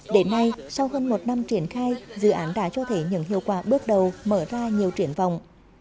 đến nay sau hơn một năm triển khai dự án đã cho thấy những hiệu quả bước đầu mở ra nhiều triển vọng